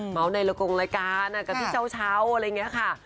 ในละกงรายการกับพี่เช้าอะไรอย่างนี้ค่ะ